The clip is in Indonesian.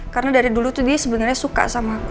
karena dari dulu tuh dia sebenarnya suka sama aku